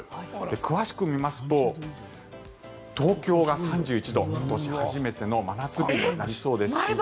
詳しく見ますと東京が３１度今年初めての真夏日になりそうです。